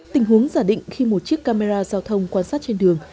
tình huống giả định khi một chiếc camera giao thông quan sát trên đường